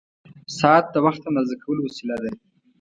ساعت د وخت اندازه کولو وسیله ده.